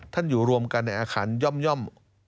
อยู่รวมกันในอาคารย่อม